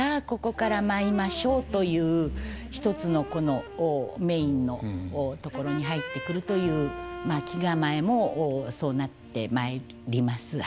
ここから舞いましょうという一つのこのメインのところに入ってくるというまあ気構えもそうなってまいります。